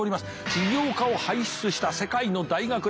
起業家を輩出した世界の大学ランキング